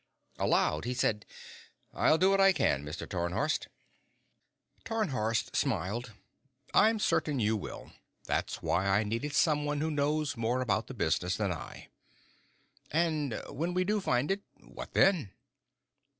Aloud, he said: "I'll do what I can, Mr. Tarnhorst." Tarnhorst smiled. "I'm certain you will. That's why I needed someone who knows more about this business than I." "And when we do find it what then?"